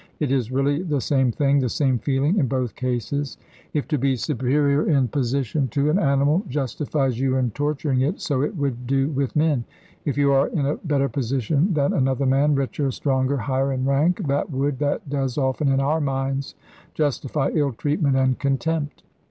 It is really the same thing, the same feeling in both cases. If to be superior in position to an animal justifies you in torturing it, so it would do with men. If you are in a better position than another man, richer, stronger, higher in rank, that would that does often in our minds justify ill treatment and contempt.